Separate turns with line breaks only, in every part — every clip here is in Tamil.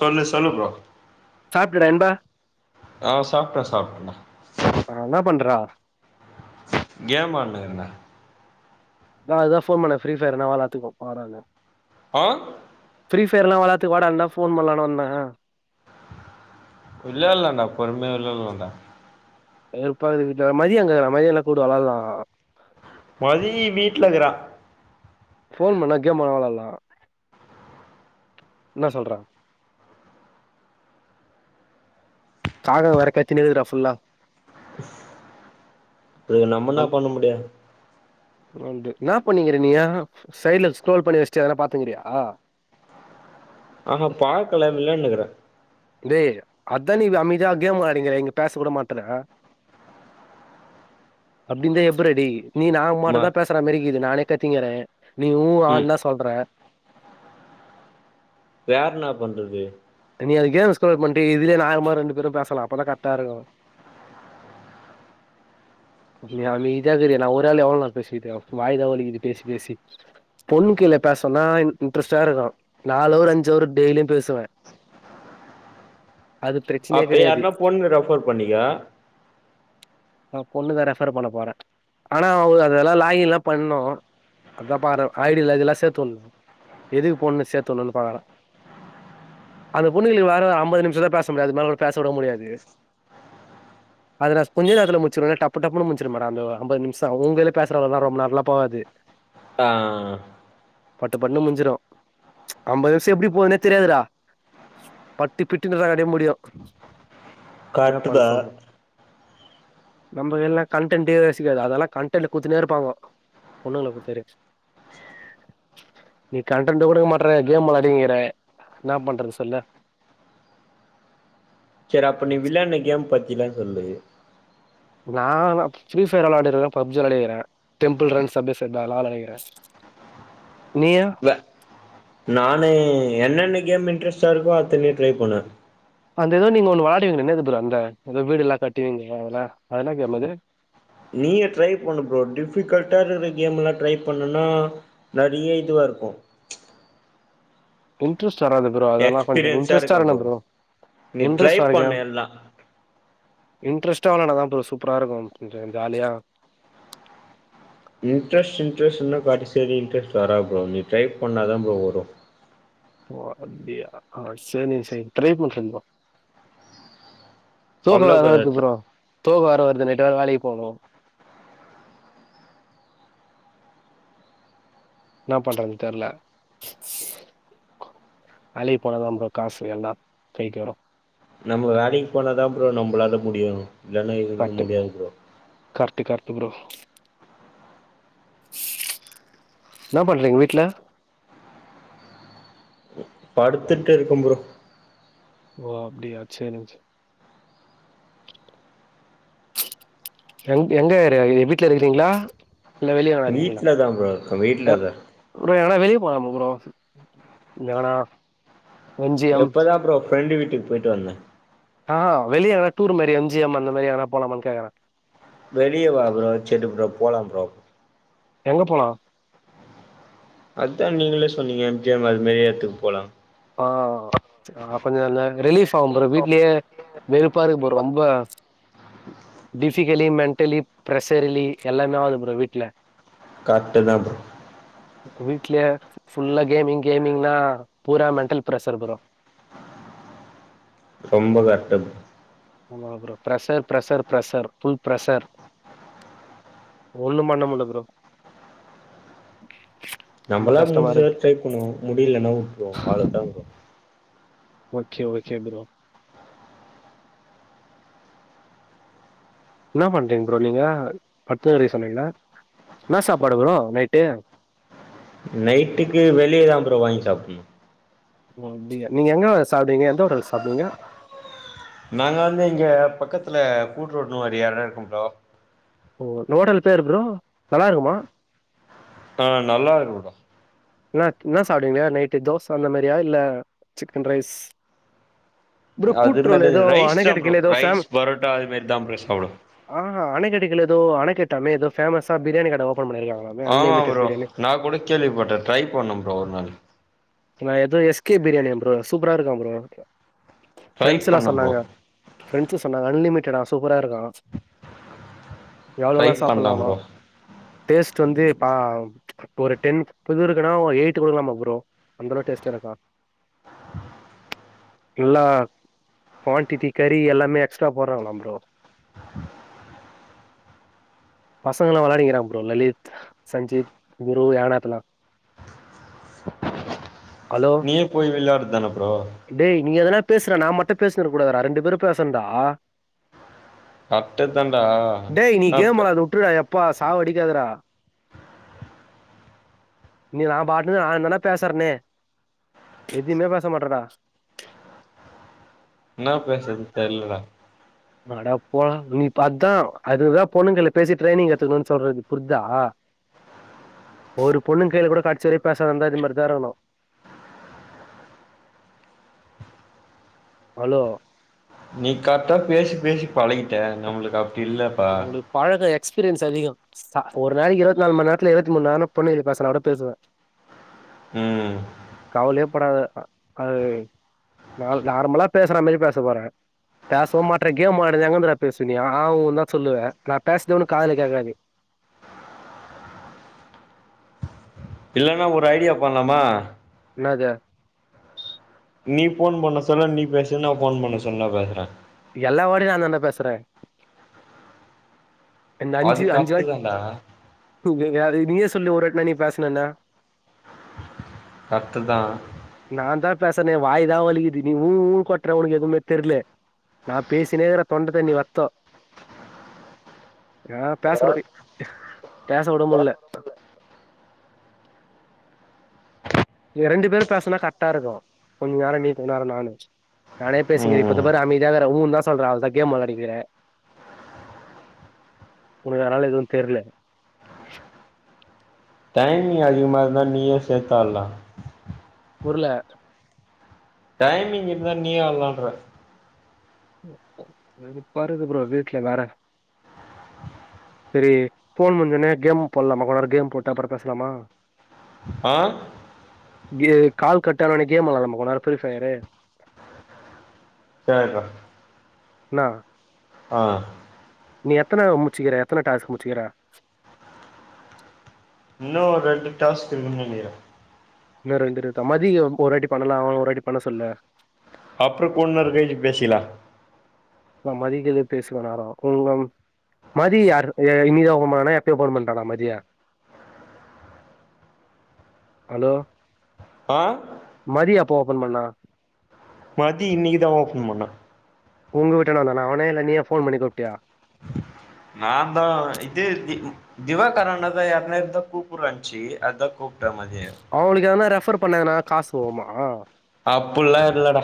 சொல்லு சொல்லு ஃப்ரோ
சாப்டடேண்பா
ஆ சாப்ட சாப்டன்டா
ஆ என்னா பண்ற
கேம் ஆட்னுக்குறட
நா அதா போன் பண்ண ஃப்ரீ ஃபையர்னா வெளாத்துக்கு வாடானு
ஆ
ஃப்ரீ ஃபையர்லா வெளாத்துக்கு வாடான் தா போன் பண்லானு வந்தே
வெள்ளாளண்டா பொறுமையா வெள்ளாளாண்டா
வெருப்பாக்குது டா மதி எங்க இருக்குறா மதி வேண கூப்டு வெளாள்லா
மதி வீட்ல இக்குறா
போன் பண்ணா கேம்மா வெள்ளாலா என்ன சொல்ற காக வேற கத்தினே இருக்குதுடா ஃபுல்லா
இதுக்கு நம்ம என்ன பண்ண முடியு
ஒண்டு என்னா பண்ணிக்கிற நீயா சைட்ல ஸ்க்ரோல் பண்ணி வச்ட்டு எதனா பாத்துங்கிறியா
ஆஹா பாக்கல விளான்னுக்கிற
டேய் அதா நீ அமைதியா கேம் வெளையாடிங்கிற இங்க பேச கூட மாட்ற அப்டி இருந்தா எப்புரா டேய் நீ நாங்க மட்டு
ம
தா பேசுறா மேறிருக்குது நானே கத்திங்கிறே நீ ஊ
ம்
ஆன்லா சொல்ற
வேர்ன்னா பண்றது
நீ அதுக்கு கேம் ஸ்கோர் பண்ணிட்டு இதுலே நார்மலா ரெண்டு பேரு பேசலா அப்பதா கரக்டா இருக்கு அப்ப நீ அமைதியா இருக்குற நா ஒரு ஆள் எவ்ளோ நாள் பேசிட்டே வாய தா வலிக்குது பேசி பேசி பொண்ணு கீழ பேஸ்சுன்னா இன்ட்ரெஸ்ட்டா இருக்கு நால அவர் அஞ்சவர் டெய்லியு பேசுவ பிரச்சனையே
அப்ப
கெடையாது
யாருன்னா பொண்ணு ரெஃபர் பண்ணிக்க
ஆ பொண்ணுதா ரெஃபர் பண்ண போற ஆனா அவுங்க அதெல்லா லாகின்லா பண்ணு அதா பார ஐடில இதெல்லா சேர்த்துண்ணு எதுக்கு பொண்ணு சேத்துணுன் பாகற அந்த பொண்ணுகளுக்கு வேற அம்பது நிம்ஷோ தா பேச முடியு அதுக்கு மேலலா பேச விட முடியாது அத நா கொஞ்ச நேத்துல முச்சிருவே டப்பு டப்புன்னு முச்சிரு மேடோ அந்த அம்பது நிம்ஷோ அவுங்களே பேசறவங்கலா ரொம்ப நேர்லா போவாது
ஆ
பட்டு பட்டுன் முஞ்சிரு ஐம்பது நிம்ஷோ எப்டி போதுனே தெரியாதுரா பட்டி பிட்டுன் வேலே முடியு என்னா பண்
கரெக்ட்டுதா
சொல்ற நம்ம எல்லா கன்டென்டு யோசிக்காது அதெல்லா கன்டென்டு குத்துன்னே இருப்பாங்கோ பொண்ணுங்கள பத் தெரியு நீ கண்டன்டு குடுக்க மாட்ற கேம் வெளாடிகிற என்னா பண்றது சொல்லு
செரி அப்ப நீ விளாட்ன கேம் பத்திலா சொல்லு
நானா ஃப்ரீ ஃபயர் வெளாடிர்க்கே பப்ஜி வெளாடிகிற டெம்பல் ரன் சப்பேசப் எல்லா வெளாடிகிற நீயே
நானு என்னென்ன கேம் இன்ட்ரெஸ்ட்டா இருக்கோ அத்தனையு ட்ரை பண்ணுவே
அந்த ஏதோ நீங்க ஒன்னு வெளாடுவீங்ளே என்னது ப்ரோ அந்த ஏதோ வீடுல்லா கட்டுவீங்ல அதெல்லா அது என்னா கேம் அது
நீயூ ட்ரை பண்ணு ப்ரோ டிஃபிகல்ட்டா இருக்ற கேமெலா ட்ரை பண்ணுனா நெறைய இதுவா இருக்கு
இன்ட்ரெஸ்ட் வராது ப்ரோ அதெல்லா கொஞ்சொ
எக்ஸ்பீரியன்ஸா இருக்கே
இன்ட்ரெஸ்ட்டாருக்கனு ப்ரோ
நீ ட்ரை
இன்ட்ரெஸ்ட்டாருங்க
பண்ணு எல்லா
இன்ட்ரெஸ்ட்டா வெளாண்டா தா ப்ரோ சூப்பராருக்கு கொஞ்சொ ஜாலியா
இன்ட்ரெஸ்ட் இன்ட்ரெஸ்ட்னு காட்டி செரி இன்ட்ரெஸ்ட் வராது ப்ரோ நீ ட்ரை பண்ணாதா ப்ரோ வரு
ஓ அப்டியா ஆ சேரி சேரி ட்ரை பண்றே ப்ரோ தூக்கோ
சொல்ல
வேற வர்து
கூடாது
ப்ரோ தூக்கோ வேற வர்து நைட்டு வேற வேலைக்போனு ன்னா பண்றதுன் தெர்ல வேலக்கி போனாதா ப்ரோ காசு எல்லா கைக்கு வரு
நம்ப வேலக்கி போனாதா ப்ரோ நம்பளால முடியு இல்லனா எதுமே முடியாது ப்ரோ
கர்ட்டு கர்ட்டு ப்ரோ ன்னா பண்றீங்க வீட்ல
படுத்துட்ருக்கே ப்ரோ
ஓ அப்டியா சேரிங் சே எங் எங்கருக்க வீட்ல இருக்றீங்ளா
வீட்ல தா ப்ரோ‌ இருக்க வீட்ல தா
ப்ரோ எங்கனா வெளிய போலாமா ப்ரோ எங்க வேணா
இப்பதா ப்ரோ ஃப்ரெண்டு வீட்டுக் போய்ட்டு வந்தே
ஆ ஹா வெளிய எங்கனா டூர் மாரி எம் ஜி எம் அந்த மாரி எங்கனா போலாமான் கேக்கறே
வெளியவா ப்ரோ செரி ப்ரோ போலா ப்ரோ
எங்க போலா
அத்தா நீங்ளே சொன்னீங்க எம் ஜி எம் அது மேரி எத்துக்கு போலா
ஆ ஆ கொஞ்சொ ல ரிலீஃப்ஃபாவு ப்ரோ வீட்லே வெறுப்பாருக்கு ப்ரோ ரொம்ப டிஃபிகலி மெண்டலி பிரஷர்லி எல்லாமே ஆவுது ப்ரோ வீட்ல
கர்ட்டுதா ப்ரோ
வீட்லே ஃபுல்லா கேமிங் கேமிங்னா பூரா மெண்டல் ப்ரஷர் ப்ரோ
ரொம்ப கஷ்டோ
ஆமா bro pressure pressure pressure full pressure ஒன்னு பண்ணமுல்ல ப்ரோ ரொம்ப
நம்பளால்
கஷ்டமா
முடிஞ்சவர
இருக்கு.
ட்ரை பண்ணுவோ முடிலன்னா வுட்ருவோ அவ்ள தா ப்ரோ
ஓகே ஓகே ப்ரோ ன்னா பண்றீங்க ப்ரோ நீங்க பத்துகிறே சொன்னீங்ள ன்னா சாப்பாடு ப்ரோ நைட்டு
நைட்டுக்கு வெளியதா ப்ரோ வாங்கி சாப்புனு
ஓ அப்டியா நீங்க எங்க சாப்டுவீங்க எந்த ஓட்டல்ல சாப்டுவீங்க
நாங்க வந்து இங்க பக்கத்துல கூட்ரோடுன் ஒரு எடோ இருக்கு ப்ரோ
ஓ அந்ஓட்டல் பேர் ப்ரோ நல்லாருக்குமா
ஆ நல்லாருக்கு ப்ரோ
ன்னா ன்னா சாப்டுவிங்க நைட்டு தோச அந்த மாரியா இல்ல சிக்கன் ரைஸ் ப்ரோ
அது
கூட்ரோல
மேரி
ஏதோ
ரைஸ் தா ப்ரோ
அணைக்கட்டுக்கைல ஏதோ
ரைஸ் பரோட்டா அதுமாரி தா சாப்ட்வே
ஆ அணைக்கடைகள் எதோ அணைக்கட்டாமே எதோ ஃபேமஸா பிரியாணி கட ஓப்பன் பண்ணிருக்காங்களா
ஆமா ப்ரோ நா கூட கேள்விப்பட்டே ட்ரை பண்ணு ப்ரோ ஒரு நாள்
நா எதோ எஸ் கே பிரியாணியா ப்ரோ சூப்பராருக்கா ப்ரோ
ட்ரை
ஃப்ரெண்ட்ஸுலா
பண்ணே ப்ரோ
சொன்னாங்க ஃப்ரெண்ட்ஸு சொன்னாங்க அன்லிமிட்டடா சூப்பராருக்கா எவ்ளோ
ட்ரை
வேணா
பண்லா
சாப்புலாமா
ப்ரோ
டேஸ்ட்டு வந்து ப ஒரு டென் [unintelligible] க்குனா ஒரு எயிட்டு குடுக்கலாமா ப்ரோ அந்தளவு டேஸ்ட்டாருக்கா
[inaudible]
எல்லா குவான்டிட்டி கறி எல்லாமே எக்ஸ்ட்ரா போடுறாங்களா ப்ரோ பசங்க எல்லா விளையாடிங்கிறாங்க ப்ரோ லலித் சஞ்சீத் குரு யனாத்துலா ஹலோ
ஏ போய் விளையாடுதான ப்ரோ
டேய் நீ எதல்லா பேசுற நா மட்டு பேசுன கூடாது ரெண்டு பேரு பேசுன்டா
கரக்டு தான்டா என்னப்ப
விட்டுற எப்பா சாவடிக்காதடா நீ நா பாட்டு நா என்னா பேசறேனே எதுமே பேச மாட்றடா
என்ன பேசுறதுனு தெரியல டா
அடா போடா நீ பாத்தா அதுதா பொண்ணுங்கள பேசி ட்ரைனிங் எடுத்துக்கணு சொல்றது புரிதா ஒரு பொண்ணு கையில கூட கடைசி வர பேசாது இருந்தா இது மாரிதா இருக்கணு ஹலோ
நீ கரெக்டா பேசி பேசி பழகிட்ட நம்மளுக்கு அப்டி இல்ல
அவளுக்கு பழக்க எக்ஸ்பீரியன்ஸ் அதிக ச ஒரு நாளைக்கு இருவத்திநாலு மண்நரத்துல இருவத்தி மூணு நேர பொண்ண பேசுன்னாளு பேசுவே
ம்
கவலையேப்படாத அது நா நார்மலா பேசுற மாரி பேச போறே பேசவு மாட்ற கேம் விளையாடுற எங்கந்திரா பேசு நீ ஆ உ சொல்லுவே நா பேசுரது ஒனக்கு காதுல கேக்காது
இல்லன்னா ஒரு ஐடியா பண்ணலாமா
என்னாது
நீ போன் பண்ண சொல்லு நீ பேசு நா போன் பண்ண சொல்லு பேசுறே
எல்லா வாட்டியு நாந்தான்டா பேசுறே அ
அது
அஞ்சு அஞ்சு
கரெக்ட்டு தான்டா
[unintelligible] நீயே சொல்லி ஒரு வாட்டி நீ பேசுனேனு
கரக்டுதா
நான்தா பேசுனே வாய் தா வலிக்குது நீ ஊ ஊன் கொட்டர உனுக் எதுவுமே தெரியல நா பேசினே இருக் தொண்ட தண்ணி வத்து யாரவுது பேசுறத பேச கூட முடில ரெண்டு பேரு பேசுனா கரெக்டா இருக்கு கொஞ்ச நேர நீ கொஞ்ச நேர நானு நானே பேசிக்கிறே
ம்
இப்பத்தற அமைதியா இருக்குற ஊன்னுதா சொல்றா கேம் விளையாடிக்கிற உனக்கு அதனால எதுவு தெரில
டைம் அதிகமா இருந்தா நீயு சேத்து ஆடலா
உருள
டைமிங் இருந்தா நீ ஆட்லா ப்ரோ
ஓகே வெறுப்பா இருக்குது ப்ரோ வீட்ல வேற சரி போன் முடிஞ்சோன கேம் போடலாமா கொஞ்ச நேர கேம் போட்டா அப்ற பேசலாமா
ஆ
கால் கட்டானா கேம் விளையாடலாம கொஞ்ச நேர ஃப்ரீ ஃபயரு
செரிடா
என்னா
ஆ
நீ எத்தனமுச்சுக்கிற எத்தன டாஸ்க் முச்சுக்குற
இன்னு ஒர் ரெண்டு டாஸ்க் இருக்குன் நினக்குற
இன்னு ரெண்டு இருக்குத்தா மதி அம் ஒருஆட்டி பண்ணலா ஒருவாட்டி பண்ணசொல்லு
அப்றகொஞ் நேர கழிச்சு பேசிக்லா
நா மதிக்கிற்து பேசினநேரொ புங்கம் மதியாரு இன்னிதா ஓப்பன் பன்னான்னா எப்யோ ஓப்பன் பண்ட்டானா மதிய ஹலோ
ஆ
மதிஎப்போ ஓப்பன் பண்ணா
மதி இன்னக்கிதா ஓப்பன்பண்ணா
உங்க வீட்டான வந்தானா அவனே இல்ல நீ ஃபோன் பண்ணி கூப்ட்டியா
நா தா இது தி திவாகர்அண்ணாதா யார்ன்னா இர்ந்த கூப்புட்றான்ச்சி அத்தா கூப் ட்ட மதிய
அவுங்குளுக்கு எதனா ரெஃபர் பண்ணதுன்னா காஸ் ஓம்மா
அப்புல்லா இல்லடா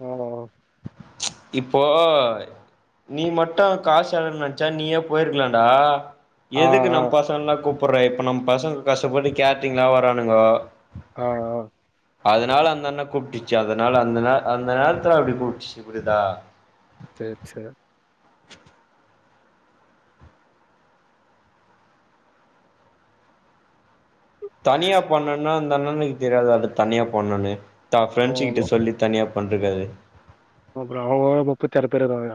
ஒ ஒ
இப்போ நீ மட்டு காசுசெலவுன் நென்ச்சா நீயே போயிர்க்கலான்டா
ஆ ஆ
எதுக்கு நம் பசங்குல்லா கூப்புற்ற இப்ப நம்பசங்க கஷ்டப்பட்டு கேட்ரிங்ல்லா வரானுங்கோ
ஆ ஆ
அதுனால அந்த அண்ண கூப்டுச்சு அதனால அந்த நெ அந்த நேரத்துல அப்டி கூப்ட்டுச்சு புரிதா
செர் செர்
[inaudible] தனியா பண்ணன்னா அந்த அண்ணனுக் தெரியாத அந்த தனியா பண்ணுண்ணு த
ஆமா
ஃப்ரெண்ட்ஸ்ஸு கிட்ட
ஆமா
சொல்லி தனியாப் பண்டுக்காது
அப்றோ அவுங்க முப்பத்ஆறு பேர் இருக்காங்க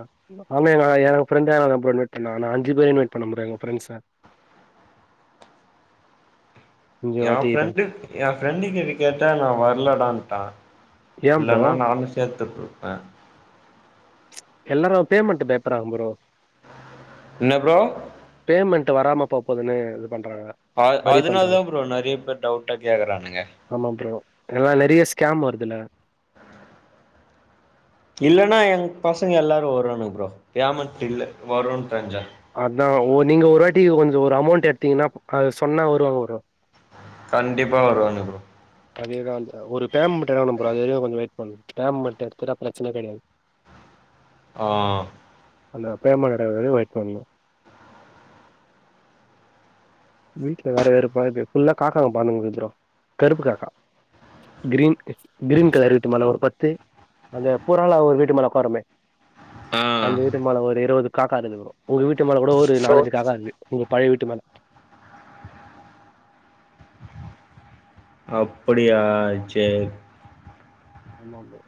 அன்னங்க எ ஃப்ரெண்டு அபறமேட் நா நா அஞ்சுபே இன்வேட் பண்ண ப்ரே எங்க ஃரெண்ட்ஸ்ஸ அஞ்சு
என்
வாட்டி
ஃப்ரெண்டுக் என் ஃப்ரெண்டு கிட்ட கேட்ட நா வர்லடான்ட்டா
ஏ ப்ரோ
இல்லன்னா நானு சேர்த்துட்ருப்ப
எல்லாரு பேமெண்ட் பேப்பறாங்க ப்ரோ
என்ன ப்ரோ
பேமெண்ட் வராம போ போதுன்னு இதுபன்றாங்க
அ அதுனால்தா ப்ரோ நறைய பேர் டவுட்டா கேக்குறானுங்க
ஆம்மா ப்ரோ எல்லா நெறய ஸ்கேம்வருதுல்ல
இல்லன்னா எங்பசங்க எல்லாரு வருவானுங் ப்ரோ பேமென்ட் இல்ல வருன்னு தெர்ஞ்சா
அத்தா ஒ நீங்க ஒரு வாட்டி கொஞ்சொ ஒரு அமௌண்ட் எட்த்தீங்கன்னா அத சொன்னா வருவாங்க ப்ரோ
கண்டிப்பா வருவாங்க ப்ரோ
அதே தா ப்ரோ ஒரு பேம்மன்ட் வேணு ப்ரோ அது கொஞ்சொ வெயிட் பண்ணு பேம்மெண்ட் எட்த்துட்டா பிரச்சன கெடையாது
ஆ
அந்த பேமென்ட் எடுக்ரவரியு வெயிட் பண்ணு வீட்ல வேற வெறுப்பாக்குது ஃபுல்லா காக்காங்க பர்ந்துங்குது ப்ரோ கருப்பு காக்கா கிரீன் கிரீன் கலர் இருட்டுமான ஒரு பத்து அந்த புறால்லா ஒரு வீட்டுமேல உக்காருமே அந்த வீட்டு
ஆ
மேல ஒரு இருவது காக்கா இருக்குது ப்ரோ உங்க வீட்டுமேல கூட ஒரு நாலஞ்சு காக்கா இருந்து உங்க பழைய வீட்டு மேல
அப்படியா சேரி
ஆமா ப்ரோ